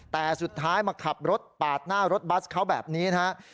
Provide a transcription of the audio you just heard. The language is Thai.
แต่สุดท้ายมาขับรถปาดหน้ารถบัสเขาแบบนี้นะครับ